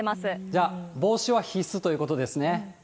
じゃあ、帽子は必須ということですね？